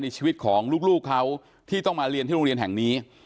ชีวิตของลูกเขาที่ต้องมาเรียนที่โรงเรียนแห่งนี้